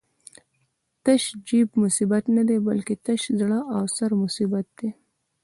تش جېب مصیبت نه دی، بلکی تش زړه او سر مصیبت دی